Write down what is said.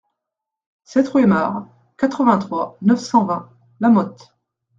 sept rue Aymard, quatre-vingt-trois, neuf cent vingt, La Motte